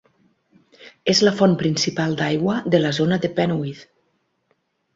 És la font principal d'aigua de la zona de Penwith.